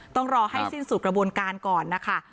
ต้องรอให้สิ้นสู่กระบวนการก่อนนะคะ